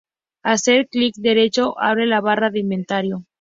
Hacer clic derecho abre la barra de inventario.